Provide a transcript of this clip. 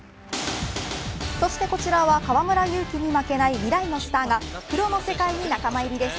そしてこちらは河村勇輝に負けない未来のスターがプロの世界に仲間入りです。